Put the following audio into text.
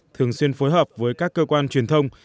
thường xuyên phối hợp với các cơ quan truyền thông